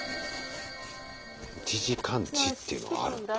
１時間値っていうのがあるんだ。